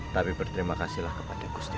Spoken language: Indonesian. tapi berterima kasihlah kepada gusti